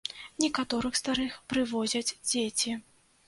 Некаторых старых прывозяць дзеці.